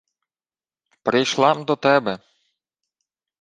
— Прийшла-м до тебе...